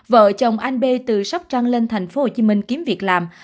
vợ chồng anh b từ sóc trăng lên tp hcm kiếm việc làm